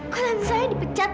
kok tante saya dipecat pak